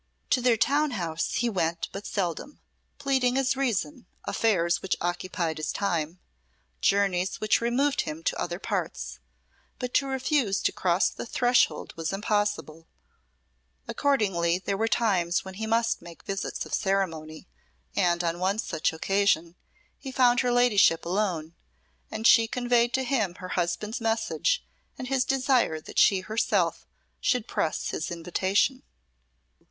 To their town house he went but seldom, pleading as reason, affairs which occupied his time, journeys which removed him to other parts. But to refuse to cross the threshold was impossible; accordingly there were times when he must make visits of ceremony, and on one such occasion he found her ladyship alone, and she conveyed to him her husband's message and his desire that she herself should press his invitation.